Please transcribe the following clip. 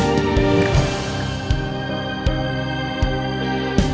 ini gak ada ya